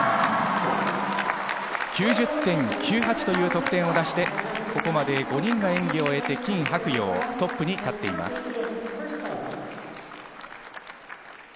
９０．９８という得点を出して、ここまで５人が演技を終えてキン・ハクヨウ、トップに立っています。